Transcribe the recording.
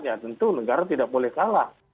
ya tentu negara tidak boleh kalah